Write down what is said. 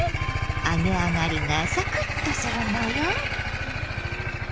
揚げ上がりがサクッとするのよ。